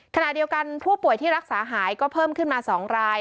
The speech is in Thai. ขณะเดียวกันผู้ป่วยที่รักษาหายก็เพิ่มขึ้นมา๒ราย